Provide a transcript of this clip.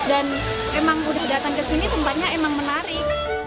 dan emang udah datang ke sini tempatnya emang menarik